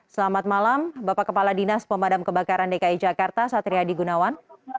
selamat malam bapak kepala dinas pemadam kebakaran dki jakarta satri adi gunawan